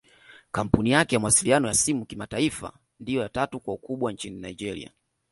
Kampuni yake ya mawasiliano ya simu kimataifa ndio ya tatu kwa ukubwa nchini Nigeria